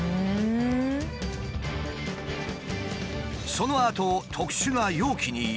そのあと特殊な容器に入れ